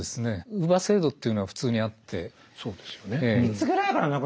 乳母制度っていうのが普通にあって。